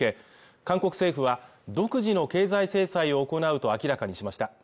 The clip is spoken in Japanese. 韓国政府は独自の経済制裁を行うと明らかにしました